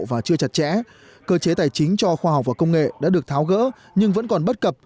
và chưa chặt chẽ cơ chế tài chính cho khoa học và công nghệ đã được tháo gỡ nhưng vẫn còn bất cập